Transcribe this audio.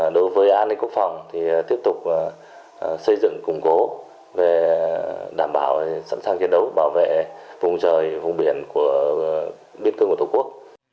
đối với an ninh quốc phòng thì tiếp tục xây dựng củng cố đảm bảo sẵn sàng chiến đấu bảo vệ vùng trời vùng biển của biên cương của tổ quốc